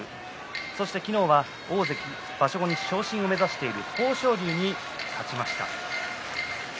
そして昨日は大関場所後に昇進を目指している豊昇龍に勝ちました。